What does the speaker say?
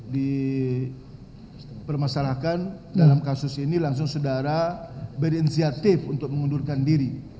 dipermasalahkan dalam kasus ini langsung saudara berinisiatif untuk mengundurkan diri